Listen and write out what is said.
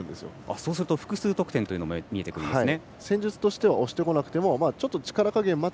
そうすると複数得点も見えてくるんですね。